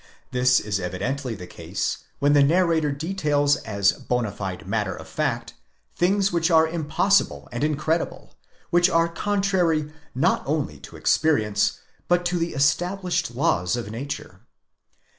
This is evidently the case when the narrator details as bona fide matter of fact things which are impossible and incredible, which are contrary not only to experience, but to the established laws of nature.